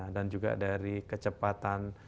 dan juga dari kecepatan